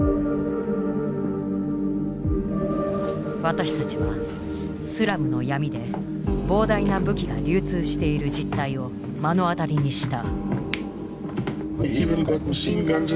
私たちはスラムの闇で膨大な武器が流通している実態を目の当たりにした。